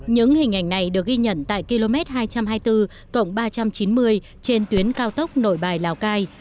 những hình ảnh này được ghi nhận tại km hai trăm hai mươi bốn ba trăm chín mươi trên tuyến cao tốc nội bài lào cai